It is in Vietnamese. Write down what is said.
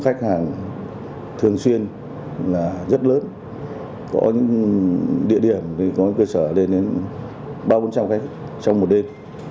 khách hàng thường xuyên rất lớn có những địa điểm có những cơ sở lên đến ba trăm linh bốn trăm linh khách trong một đêm